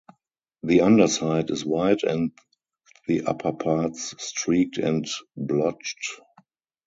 The underside is white and the upper parts streaked and blotched.